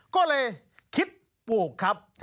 ก็เลยคิดปลูกครับ